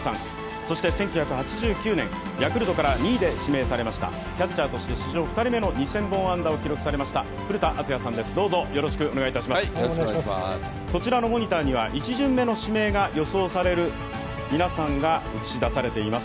そして１９８９年、ヤクルトから２位で指名されました、キャッチャーとして史上２人目の２０００本安打を記録されました古田敦也さんです、どうぞよろしくお願いします。